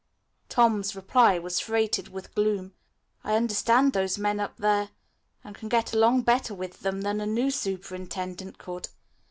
Tom's reply was freighted with gloom. "I understand those men up there and can get along better with them than a new superintendent could.